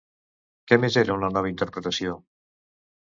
Què més era una nova interpretació?